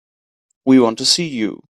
We want to see you.